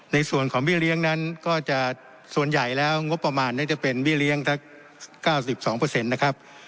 ในส่วนของวิเลี้ยงนั้นก็จะส่วนใหญ่แล้วงบประมาณนั้นจะเป็นวิเลี้ยงทั้งเก้าสิบสองเปอร์เซ็นต์นะครับ